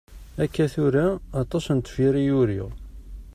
Akka tura, aṭas n tefyar i uriɣ.